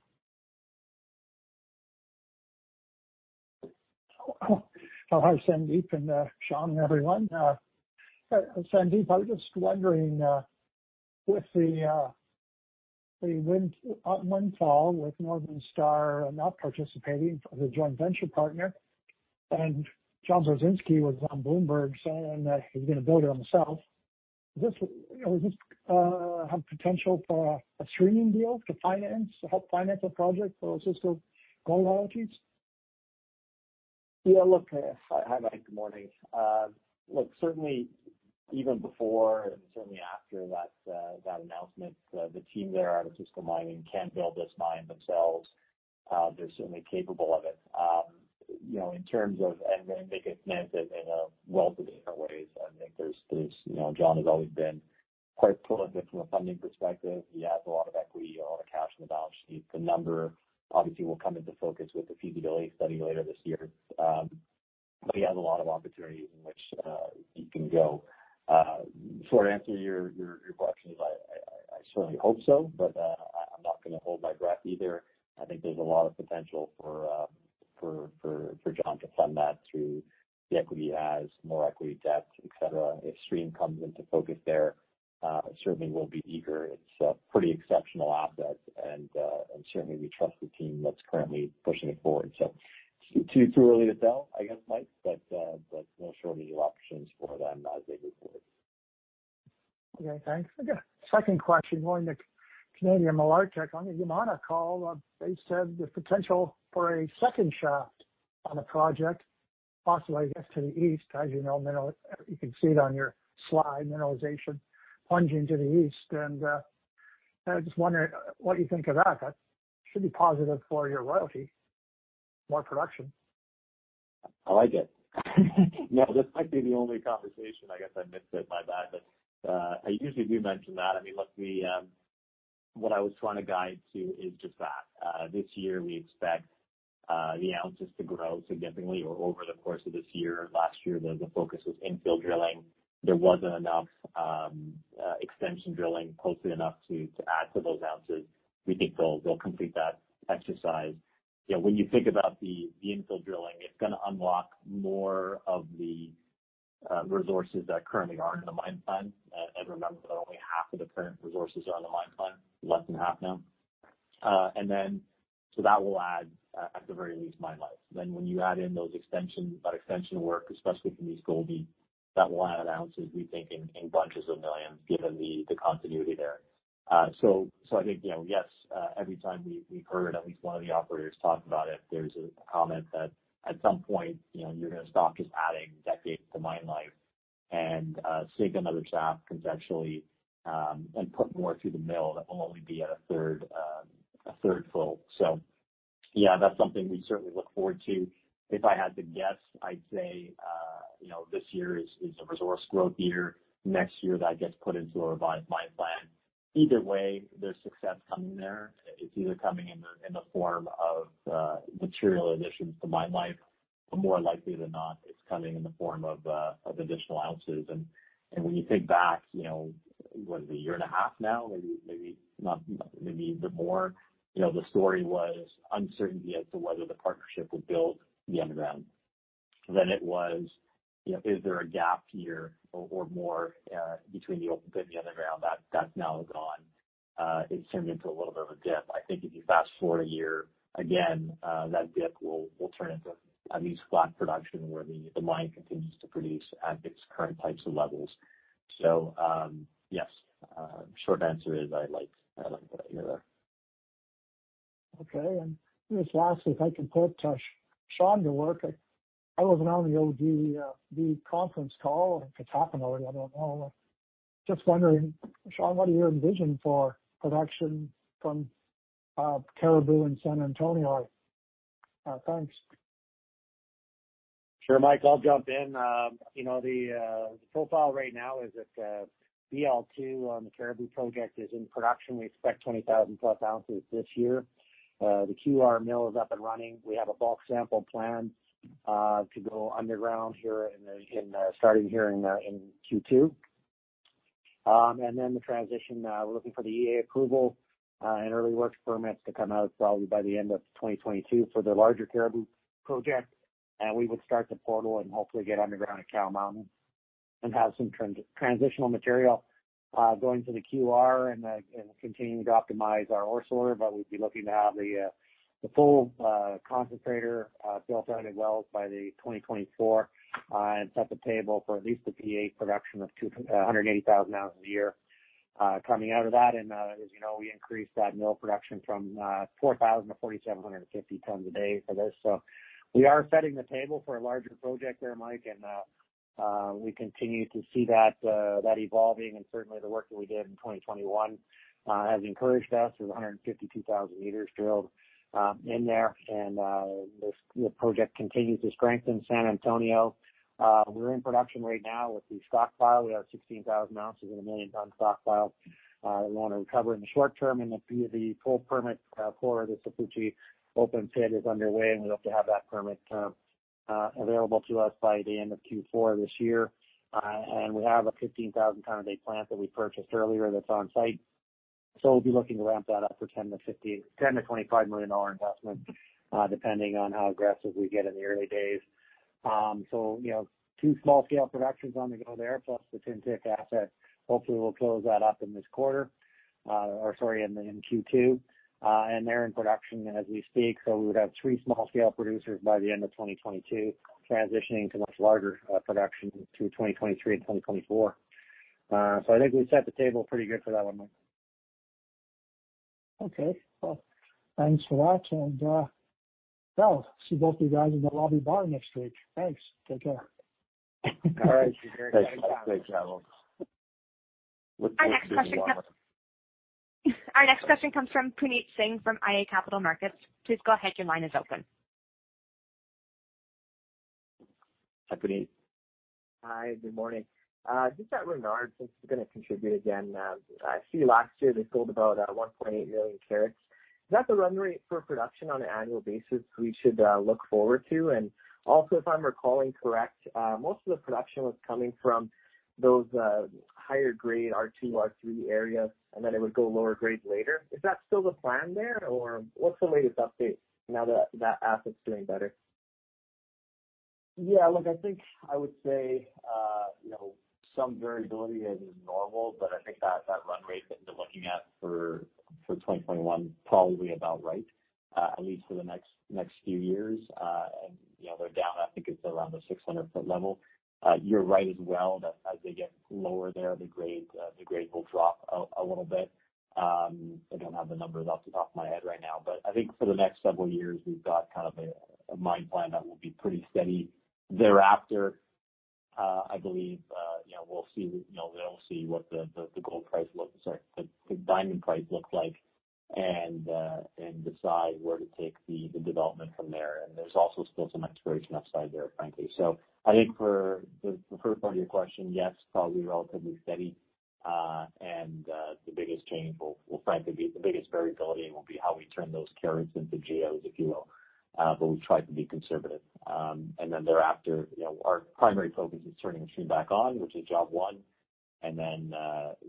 Oh, hi, Sandeep and Sean, everyone. Sandeep, I was just wondering, with the Windfall with Northern Star not participating as a joint venture partner, and John Burzynski was on Bloomberg saying that he's gonna build it on his own. Does this have potential for a streaming deal to help finance a project for Osisko Gold Royalties? Hi, Mike, good morning. Look, certainly even before and certainly after that announcement, the team there at Osisko Mining can build this mine themselves. They're certainly capable of it. You know, in terms of, and they can finance it in a wealth of different ways. I think there's, you know, John has always been quite prolific from a funding perspective. He has a lot of equity, a lot of cash on the balance sheet. The number obviously will come into focus with the feasibility study later this year. He has a lot of opportunities in which he can go. Short answer to your question is I certainly hope so, but not gonna hold my breath either. I think there's a lot of potential for John to fund that through the equity as more equity debt, et cetera. If stream comes into focus there, certainly we'll be eager. It's a pretty exceptional asset and certainly we trust the team that's currently pushing it forward. Too early to tell, I guess, Mike, but no shortage of options for them as they move forward. Okay, thanks. I got a second question on the Canadian Malartic. On the Yamana call, they said the potential for a second shaft on a project, possibly, I guess, to the east. As you know, you can see it on your slide, mineralization plunging to the east. I was just wondering what you think of that. That should be positive for your royalty, more production. I like it. No, this might be the only conversation, I guess, I missed it by that, but I usually do mention that. I mean, look, what I was trying to guide to is just that, this year we expect the ounces to grow significantly or over the course of this year. Last year, the focus was infill drilling. There wasn't enough extension drilling closely enough to add to those ounces. We think they'll complete that exercise. You know, when you think about the infill drilling, it's gonna unlock more of the resources that currently are in the mine plan. Remember that only half of the current resources are on the mine plan, less than half now. That will add, at the very least, mine life. When you add in that extension work, especially from East Gouldie, that will add ounces, we think, in bunches of millions given the continuity there. So I think, you know, yes, every time we've heard at least one of the operators talk about it, there's a comment that at some point, you know, you're gonna stop just adding decades to mine life and sink another shaft conceptually and put more through the mill that will only be at a third full. So yeah, that's something we certainly look forward to. If I had to guess, I'd say, you know, this year is a resource growth year. Next year, that gets put into a revised mine plan. Either way, there's success coming there. It's either coming in the form of material additions to mine life, but more likely than not, it's coming in the form of additional ounces. When you think back, you know, what is it, a year and a half now, maybe not, maybe a bit more, you know, the story was uncertainty as to whether the partnership would build the underground. It was, you know, is there a gap year or more between the open pit and the underground. That's now gone. It turned into a little bit of a dip. I think if you fast-forward a year again, that dip will turn into at least flat production where the mine continues to produce at its current types of levels. Yes, short answer is I like what I hear there. Okay. Just lastly, if I can put to Sean your work. I wasn't on the OR conference call or the talk already. I don't know. Just wondering, Sean, what do you envision for production from Cariboo and San Antonio? Thanks. Sure, Mike, I'll jump in. You know, the profile right now is that BL2 on the Cariboo project is in production. We expect 20,000+ ounces this year. The QR mill is up and running. We have a bulk sample plan to go underground starting in Q2. Then the transition, we're looking for the EA approval and early work permits to come out probably by the end of 2022 for the larger Cariboo project. We would start the portal and hopefully get underground at Cow Mountain and have some transitional material going to the QR and continuing to optimize our ore sorter. We'd be looking to have the full concentrator built and at full by 2024 and set the table for at least the PA production of 280,000 ounces a year coming out of that. As you know, we increased that mill production from 4,000-4,750 tons a day for this. We are setting the table for a larger project there, Mike, and we continue to see that evolving and certainly the work that we did in 2021 has encouraged us. There's 152,000 m drilled in there. This project continues to strengthen San Antonio. We're in production right now with the stockpile. We have 16,000 ounces and a 1 million-ton stockpile we wanna recover in the short term. The full permit for the Sapuchi open pit is underway, and we hope to have that permit available to us by the end of Q4 this year. We have a 15,000 ton a day plant that we purchased earlier that's on site. We'll be looking to ramp that up for 10 million-25 million dollar investment, depending on how aggressive we get in the early days. You know, two small-scale productions on the go there, plus the Tintic asset. Hopefully, we'll close that up in this quarter, or in Q2. They're in production as we speak. We would have three small-scale producers by the end of 2022 transitioning to much larger production through 2023 and 2024. I think we set the table pretty good for that one, Mike. Okay. Well, thanks for that. Well, see both you guys in the lobby bar next week. Thanks. Take care. All right. Thanks, Mike. Safe travel. Our next question comes Look forward to seeing you all. Our next question comes from Puneet Singh from iA Capital Markets. Please go ahead. Your line is open. Hi, Puneet. Hi, good morning. Just at Renard, since they're gonna contribute again, I see last year they sold about 1.8 million carats. Is that the run rate for production on an annual basis we should look forward to? Also, if I'm recalling correct, most of the production was coming from those higher grade R2, R3 areas, and then it would go lower grade later. Is that still the plan there? Or what's the latest update now that that asset's doing better? Yeah, look, I think I would say you know, some variability is normal, but I think that run rate that you're looking at for 2021 probably about right, at least for the next few years. You know, they're down, I think it's around the 600-foot level. You're right as well that as they get lower there, the grade will drop a little bit. I don't have the numbers off the top of my head right now, but I think for the next several years, we've got kind of a mine plan that will be pretty steady. Thereafter, I believe, you know, we'll see, you know, they'll see what the diamond price looks like and decide where to take the development from there. There's also still some exploration upside there, frankly. I think for the first part of your question, yes, probably relatively steady. The biggest change will frankly be the biggest variability will be how we turn those carats into GEOs, if you will. But we've tried to be conservative. Then thereafter, you know, our primary focus is turning the machine back on, which is job one, and then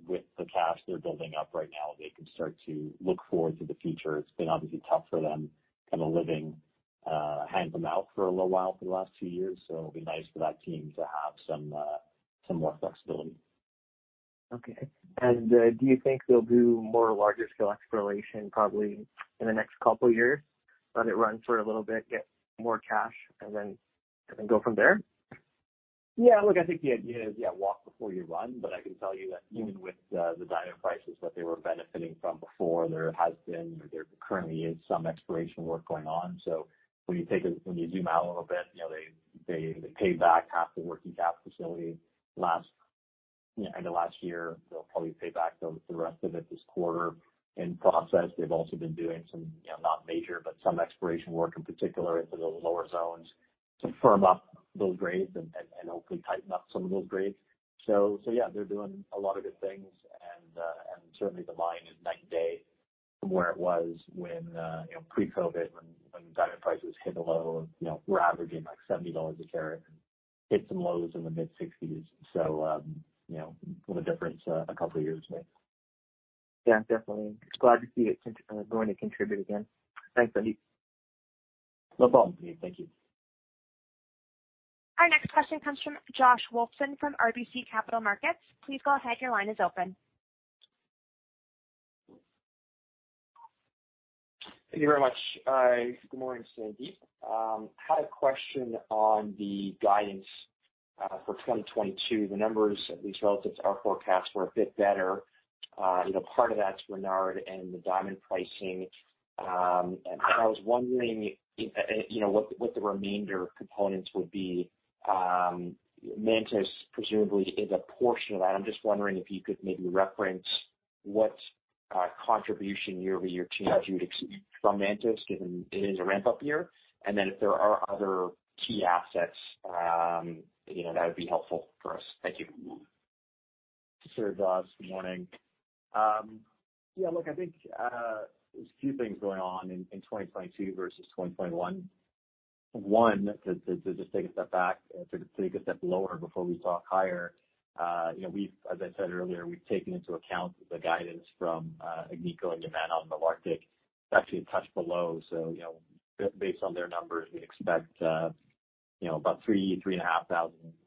with the cash they're building up right now, they can start to look forward to the future. It's been obviously tough for them, kind of living hand-to-mouth for a little while for the last two years, so it'll be nice for that team to have some more flexibility. Okay. Do you think they'll do more larger scale exploration probably in the next couple years? Let it run for a little bit, get more cash, and then go from there? Yeah. Look, I think the idea is, yeah, walk before you run. But I can tell you that even with the diamond prices that they were benefiting from before, there has been or there currently is some exploration work going on. So when you zoom out a little bit, you know, they paid back half the working cap facility last, you know, end of last year. They'll probably pay back the rest of it this quarter. In process, they've also been doing some, you know, not major, but some exploration work in particular into those lower zones to firm up those grades and hopefully tighten up some of those grades. So yeah, they're doing a lot of good things. Certainly the mine is night and day from where it was when you know pre-COVID when diamond prices hit a low of you know were averaging like 70 dollars a carat hit some lows in the mid-60s. You know what a difference a couple years makes. Yeah, definitely. Glad to see it going to contribute again. Thanks, Sandeep. No problem. Thank you. Our next question comes from Josh Wolfson from RBC Capital Markets. Please go ahead, your line is open. Thank you very much. Good morning, Sandeep. Had a question on the guidance for 2022. The numbers, at least relative to our forecast, were a bit better. You know, part of that's Renard and the diamond pricing. I was wondering, you know, what the remainder components would be. Mantos presumably is a portion of that. I'm just wondering if you could maybe reference what contribution year over year change you'd expect from Mantos given it is a ramp-up year. If there are other key assets, you know, that would be helpful for us. Thank you. Sure, Josh. Good morning. Yeah, look, I think there's a few things going on in 2022 versus 2021. One, to just take a step back, to take a step lower before we talk higher, you know, we've, as I said earlier, we've taken into account the guidance from Agnico and Yamana on Malartic. It's actually a touch below, so you know, based on their numbers, we expect you know, about 3,500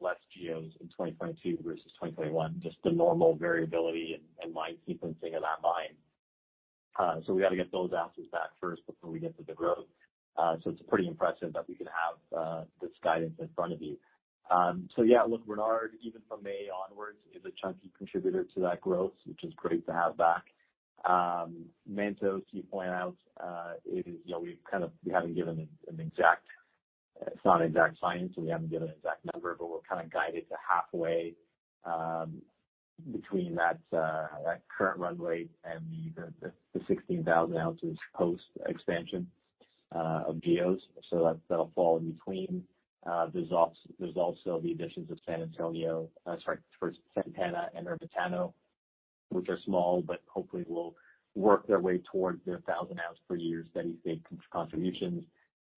less GEOs in 2022 versus 2021, just the normal variability and mine sequencing of that mine. So we gotta get those assets back first before we get to the growth. So it's pretty impressive that we can have this guidance in front of you. Yeah, look, Renard, even from May onwards, is a chunky contributor to that growth, which is great to have back. Mantos, you point out, is, you know, we haven't given an exact, it's not an exact science, so we haven't given an exact number, but we're kind of guided to halfway between that current run rate and the 16,000 ounces post-expansion of GEOs. That'll fall in between. There's also the additions of San Antonio, sorry, first Santana and Ermitaño, which are small, but hopefully will work their way towards their 1,000 ounce per year steady-state contributions.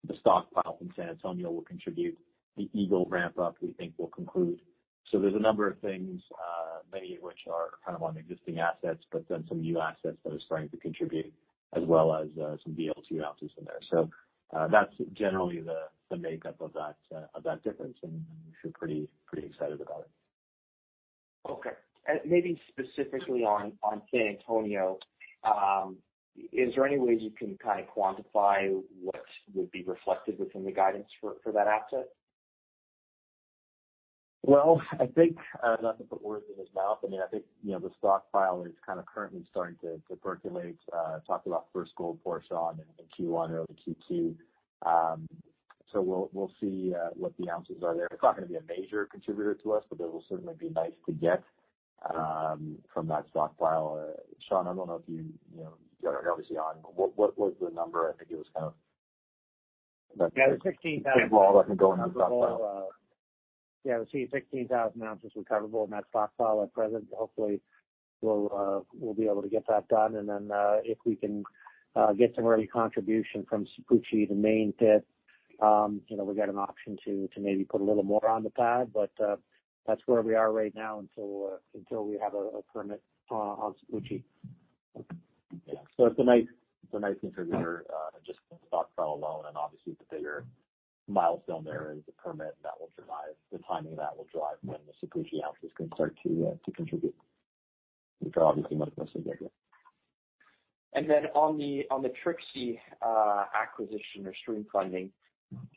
The stockpile from San Antonio will contribute. The Eagle ramp-up, we think will conclude. There's a number of things, many of which are kind of on existing assets, but then some new assets that are starting to contribute, as well as, some BLT ounces in there. That's generally the makeup of that, of that difference, and we feel pretty excited about it. Okay. Maybe specifically on San Antonio, is there any ways you can kind of quantify what would be reflected within the guidance for that asset? Well, I think not to put words in his mouth. I mean, I think you know, the stockpile is kind of currently starting to percolate, talk about first gold pour, Sean, in Q1 early Q2. So we'll see what the ounces are there. It's not gonna be a major contributor to us, but it will certainly be nice to get from that stockpile. Sean, I don't know if you know, you're obviously on, but what was the number? I think it was kind of- Yeah, the 16,000- Big wall that can go in that stockpile. Yeah, the 16,000 ounces recoverable in that stockpile at present. Hopefully we'll be able to get that done. If we can get some early contribution from Sapuchi, the main pit, you know, we've got an option to maybe put a little more on the pad, but that's where we are right now until we have a permit on Sapuchi. Yeah. It's a nice contributor, just the stockpile alone. Obviously the bigger milestone there is the permit. The timing of that will drive when the Sapuchi ounces can start to contribute, which are obviously much larger. On the TZ acquisition or stream funding,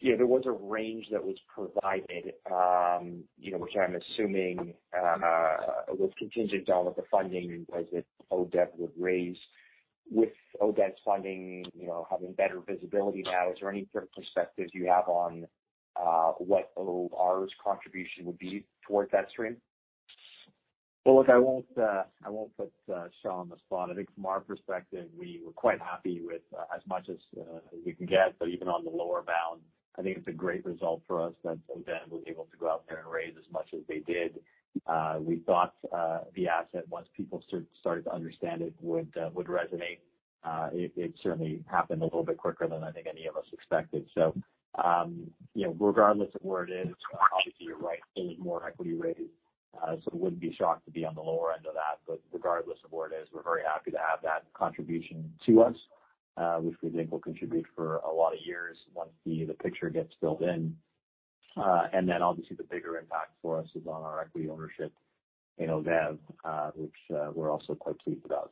you know, there was a range that was provided, you know, which I'm assuming was contingent on what funding ODV would raise. With ODV's funding, you know, having better visibility now, is there any sort of perspective you have on what OR's contribution would be towards that stream? Well, look, I won't put Sean on the spot. I think from our perspective, we were quite happy with as much as we can get. Even on the lower bound, I think it's a great result for us that Odev was able to go out there and raise as much as they did. We thought the asset, once people started to understand it, would resonate. It certainly happened a little bit quicker than I think any of us expected. You know, regardless of where it is, obviously you're right, it is more equity raised. Wouldn't be shocked to be on the lower end of that. Regardless of where it is, we're very happy to have that contribution to us, which we think will contribute for a lot of years once the picture gets filled in. Then obviously the bigger impact for us is on our equity ownership in ODV, which we're also quite pleased about.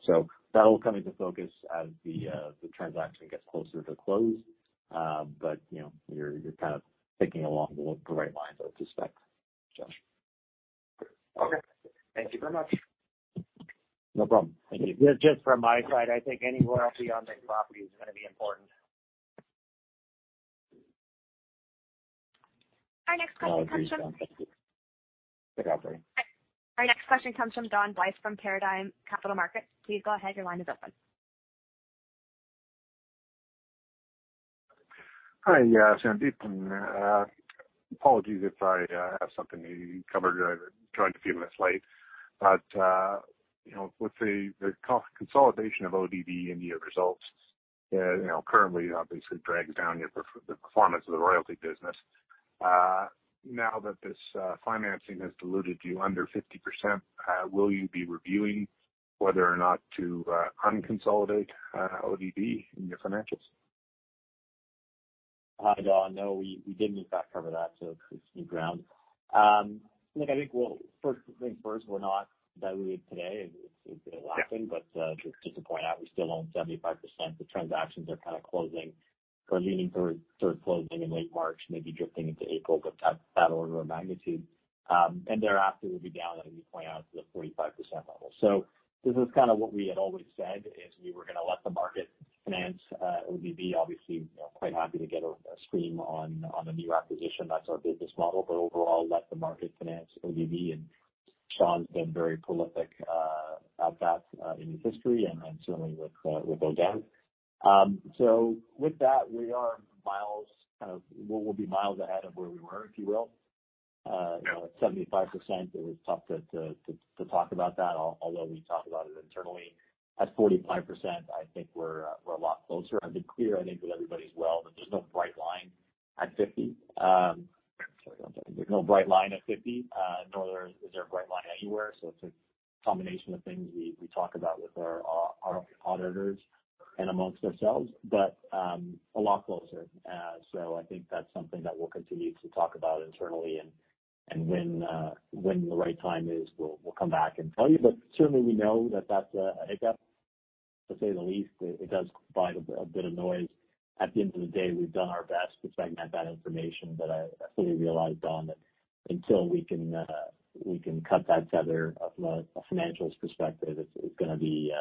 That'll come into focus as the transaction gets closer to close. You know, you're kind of thinking along the right lines I suspect, Josh. Okay. Thank you very much. No problem. Thank you. Just from my side, I think any royalty on that property is gonna be important. Our next question comes from. Go ahead. Our next question comes from Don DeMarco from Paradigm Capital. Please go ahead. Your line is open. Hi, yeah, Sandeep. Apologies if I have something you covered, I tried to give you a slide. You know, with the consolidation of ODV in your results, you know, currently obviously drags down the performance of the royalty business. Now that this financing has diluted you under 50%, will you be reviewing whether or not to unconsolidate ODV in your financials? Hi, Don. No, we did in fact cover that, so it's new ground. Look, I think first things first, we're not diluted today. It's been lacking. Yeah. Just to point out, we still own 75%. The transactions are kind of closing or leaning toward third closing in late March, maybe drifting into April, but that order of magnitude. Thereafter, we'll be down, as you point out, to the 45% level. This is kind of what we had always said is we were gonna let the market finance ODV. Obviously, you know, quite happy to get a stream on a new acquisition. That's our business model. Overall, let the market finance ODV. Sean's been very prolific at that in his history and certainly with ODV. With that, we'll be miles ahead of where we were, if you will. You know, at 75%, it was tough to talk about that, although we talk about it internally. At 45%, I think we're a lot closer. I've been clear, I think with everybody as well, that there's no bright line at 50. Sorry about that. There's no bright line at 50, nor is there a bright line anywhere. It's a combination of things we talk about with our auditors and among ourselves, but a lot closer. I think that's something that we'll continue to talk about internally and when the right time is, we'll come back and tell you. Certainly we know that that's a hiccup to say the least. It does provide a bit of noise. At the end of the day, we've done our best to segment that information. I fully realize, Don, that until we can cut that tether from a financial's perspective, it's gonna be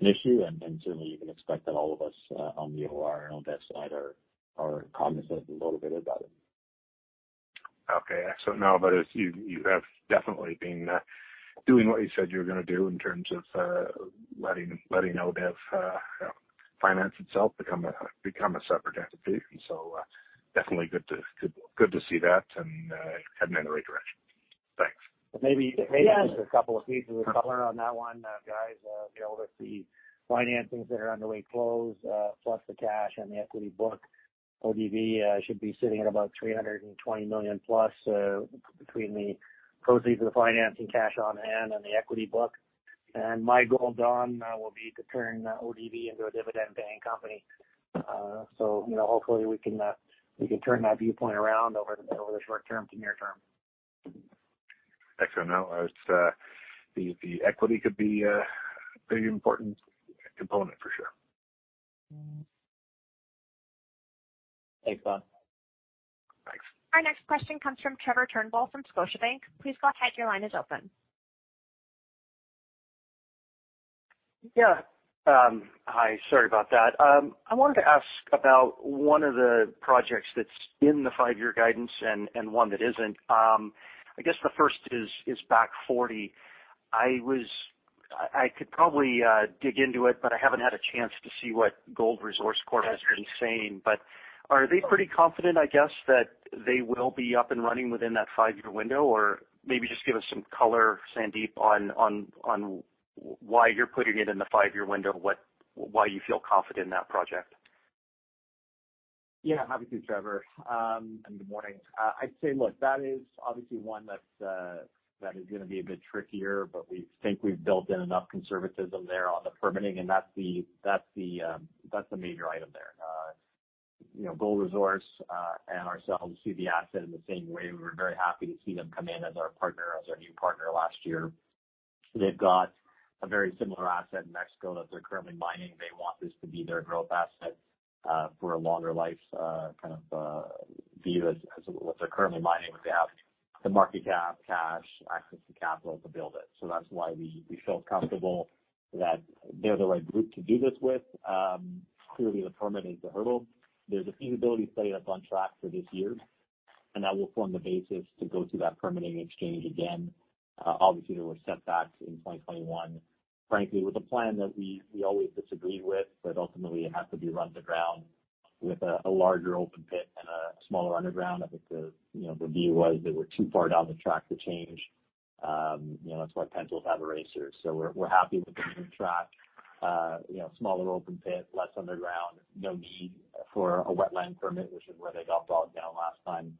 an issue. Certainly you can expect that all of us on the OR and Odev side are cognizant a little bit about it. Okay. Excellent. No, but it's you have definitely been doing what you said you were gonna do in terms of letting ODV you know finance itself become a separate entity. Definitely good to see that and heading in the right direction. Thanks. Maybe just a couple of pieces of color on that one, guys. You know, with the financings that are underway close, plus the cash and the equity book, ODV should be sitting at about 320 million plus, between the proceeds of the financing cash on hand and the equity book. My goal, Don, will be to turn ODV into a dividend paying company. You know, hopefully we can turn that viewpoint around over the short term to near term. Excellent. No, it's the equity could be a very important component for sure. Thanks, Don. Thanks. Our next question comes from Trevor Turnbull from Scotiabank. Please go ahead. Your line is open. Hi. Sorry about that. I wanted to ask about one of the projects that's in the five-year guidance and one that isn't. I guess the first is Back Forty. I could probably dig into it, but I haven't had a chance to see what Gold Resource Corp has been saying. Are they pretty confident, I guess, that they will be up and running within that five-year window? Or maybe just give us some color, Sandeep, on why you're putting it in the five-year window, why you feel confident in that project. Yeah. Happy to, Trevor, and good morning. I'd say, look, that is obviously one that's gonna be a bit trickier, but we think we've built in enough conservatism there on the permitting, and that's the major item there. You know, Gold Resource and ourselves see the asset in the same way. We were very happy to see them come in as our partner, as our new partner last year. They've got a very similar asset in Mexico that they're currently mining. They want this to be their growth asset for a longer life kind of view as what they're currently mining, but they have the market cap, cash, access to capital to build it. That's why we felt comfortable that they're the right group to do this with. Clearly the permit is the hurdle. There's a feasibility study that's on track for this year, and that will form the basis to go through that permitting exercise again. Obviously, there were setbacks in 2021, frankly, with a plan that we always disagreed with, but ultimately it had to be run to ground with a larger open pit and a smaller underground. I think you know the view was they were too far down the track to change. You know, that's why pencils have erasers. We're happy with the current track. You know, smaller open pit, less underground, no need for a wetland permit, which is where they got bogged down last time.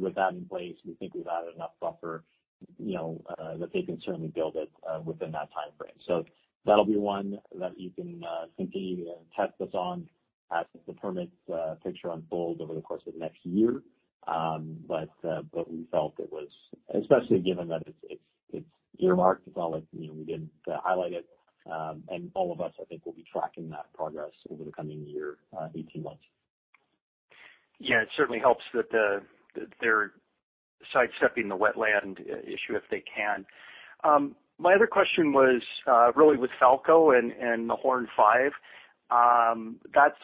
With that in place, we think we've added enough buffer, you know, that they can certainly build it within that timeframe. That'll be one that you can continue to test us on as the permits picture unfolds over the course of next year. We felt it was especially given that it's earmarked. It's not like, you know, we didn't highlight it. All of us, I think, will be tracking that progress over the coming year, 18 months. Yeah, it certainly helps that they're sidestepping the wetland issue if they can. My other question was really with Falco and the Horne 5. That's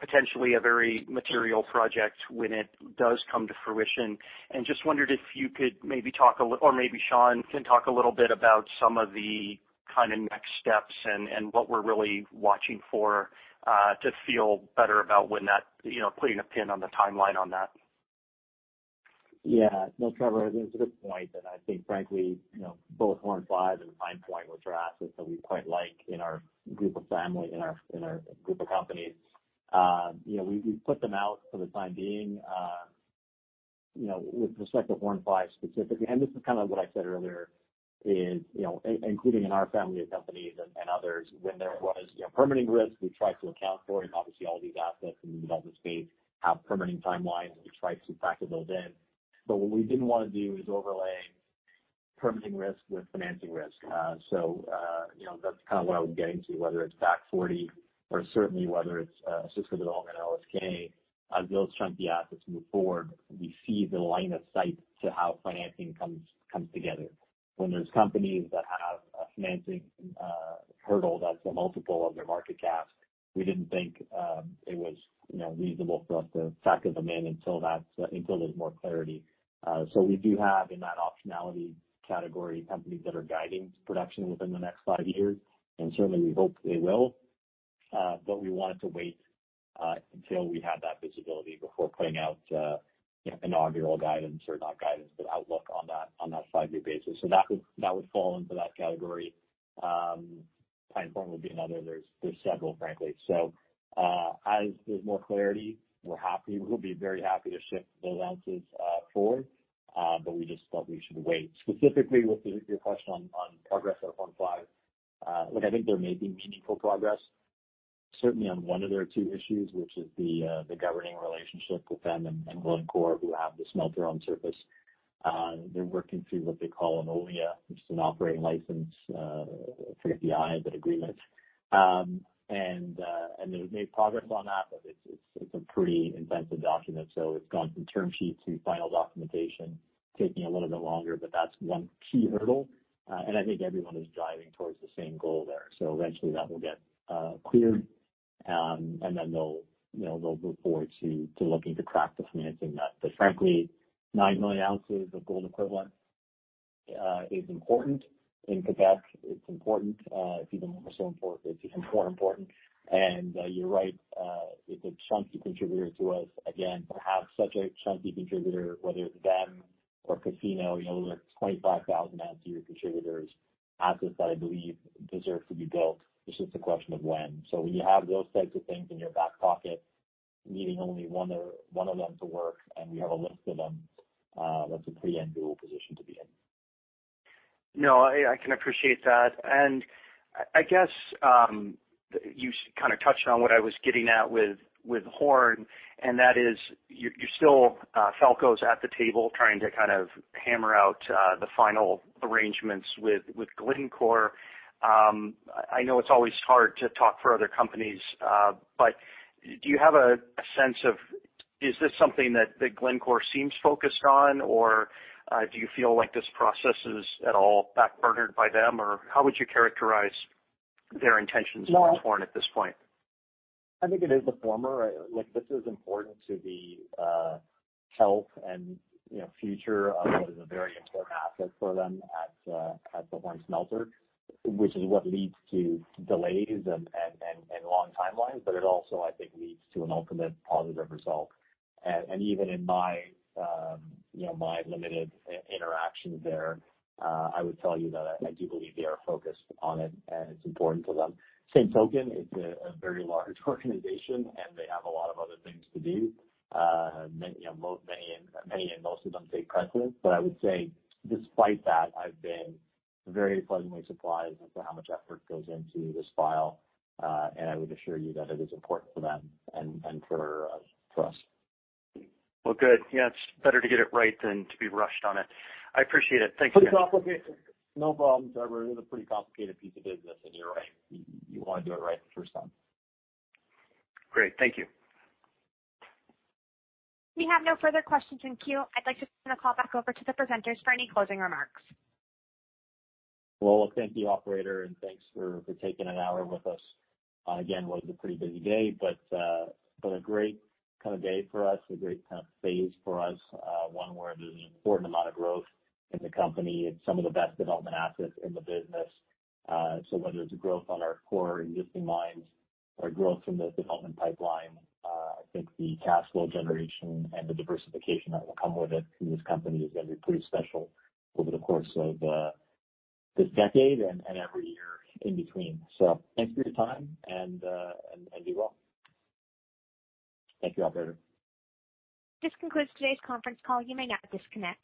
potentially a very material project when it does come to fruition. Just wondered if you could maybe talk a little bit or maybe Sean can talk a little bit about some of the kind of next steps and what we're really watching for to feel better about when that, you know, putting a pin on the timeline on that. Yeah. No, Trevor, it's a good point. I think frankly, you know, both Horne 5 and Pine Point, which are assets that we quite like in our family of companies, you know, we put them out for the time being. You know, with respect to Horne 5 specifically, and this is kind of what I said earlier, including in our family of companies and others, when there was permitting risk, we tried to account for it. Obviously all these assets in the development space have permitting timelines, and we try to factor those in. What we didn't wanna do is overlay permitting risk with financing risk. You know, that's kind of what I was getting to, whether it's Back Forty or certainly whether it's Osisko Development OSK, as those chunky assets move forward, we see the line of sight to how financing comes together. When there's companies that have a financing hurdle that's a multiple of their market cap, we didn't think it was, you know, reasonable for us to take a stance on until there's more clarity. We do have in that optionality category companies that are guiding production within the next five years, and certainly we hope they will. We wanted to wait until we had that visibility before putting out, you know, inaugural guidance or not guidance, but outlook on that, on that five-year basis. That would fall into that category. Timeframe would be another. There are several, frankly. As there's more clarity, we're happy. We'll be very happy to shift those answers forward, but we just felt we should wait. Specifically with your question on progress at Horne 5, look, I think there may be meaningful progress certainly on one of their two issues, which is the governing relationship with them and Glencore who have the smelter on surface. They're working through what they call an OIA, which is an operating license. I forget the I, but agreement. And they've made progress on that, but it's a pretty inventive document. It's gone from term sheet to final documentation, taking a little bit longer, but that's one key hurdle. I think everyone is driving towards the same goal there. Eventually that will get cleared, and then they'll, you know, they'll move forward to looking to craft the financing of that. Frankly, 9 million ounces of gold equivalent is important. In Québec, it's important. It's even more important. You're right. It's a chunky contributor to us. Again, to have such a chunky contributor, whether it's them or Casino, you know, those are 25,000 ounce a year contributors, assets that I believe deserve to be built. It's just a question of when. When you have those types of things in your back pocket, needing only one of them to work, and we have a list of them, that's a pretty enviable position to be in. No, I can appreciate that. I guess you kind of touched on what I was getting at with Horne, and that is you're still Falco is at the table trying to kind of hammer out the final arrangements with Glencore. I know it's always hard to talk for other companies, but do you have a sense of is this something that Glencore seems focused on? Or do you feel like this process is at all backburnered by them? Or how would you characterize their intentions with Horne at this point? I think it is the former. Like, this is important to the health and, you know, future of what is a very important asset for them at the Horne Smelter, which is what leads to delays and long timelines. It also, I think, leads to an ultimate positive result. Even in my, you know, my limited interactions there, I would tell you that I do believe they are focused on it, and it's important to them. Same token, it's a very large organization, and they have a lot of other things to do. Many, you know, most of them take precedence. I would say despite that, I've been very pleasantly surprised as to how much effort goes into this file. I would assure you that it is important for them and for us. Well, good. Yeah, it's better to get it right than to be rushed on it. I appreciate it. Thank you. Pretty complicated. No problem, Trevor. It is a pretty complicated piece of business, and you're right, you wanna do it right the first time. Great. Thank you. We have no further questions in queue. I'd like to turn the call back over to the presenters for any closing remarks. Well, thank you, operator, and thanks for taking an hour with us on, again, what is a pretty busy day. A great kind of day for us, a great kind of phase for us, one where there's an important amount of growth in the company and some of the best development assets in the business. Whether it's growth on our core existing mines or growth in the development pipeline, I think the cash flow generation and the diversification that will come with it in this company is gonna be pretty special over the course of this decade and every year in between. Thanks for your time and be well. Thank you, operator. This concludes today's conference call. You may now disconnect.